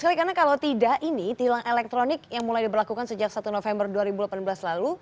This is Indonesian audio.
karena kalau tidak ini tilang elektronik yang mulai diberlakukan sejak satu november dua ribu delapan belas lalu